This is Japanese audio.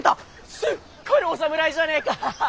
すっかりお侍じゃねぇか。